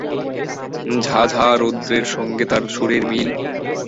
ঝাঁ ঝাঁ রৌদ্রের সঙ্গে তার সুরের মিল।